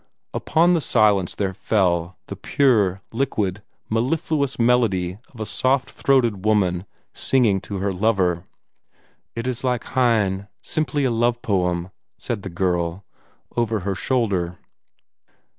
Upon the silence there fell the pure, liquid, mellifluous melody of a soft throated woman singing to her lover. "It is like Heine simply a love poem," said the girl, over her shoulder.